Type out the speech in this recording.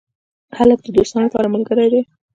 هلک د دوستانو لپاره ملګری دی.